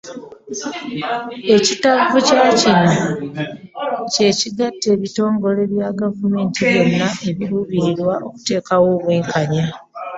Ekitavvu kya kino kye kigatta ebitongole bya gavumenti byonna ebiruubirira okuteekawo obwenkanya.